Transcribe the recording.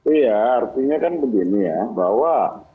iya artinya kan begini ya bahwa